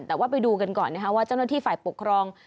แต่ว่าไปดูกันก่อนนะคะว่าเจ้าหน้าที่ฝ่ายปกครอง